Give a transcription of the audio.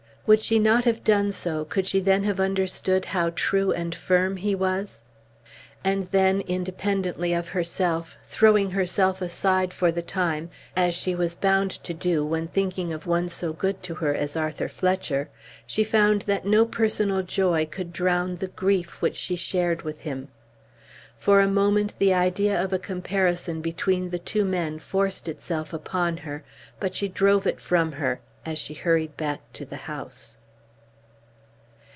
Would she not have done so could she then have understood how true and firm he was? And then, independently of herself, throwing herself aside for the time as she was bound to do when thinking of one so good to her as Arthur Fletcher, she found that no personal joy could drown the grief which she shared with him. For a moment the idea of a comparison between the two men forced itself upon her, but she drove it from her as she hurried back to the house.